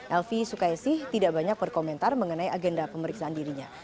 elvi sukaisi tidak banyak berkomentar mengenai agenda pemeriksaan dirinya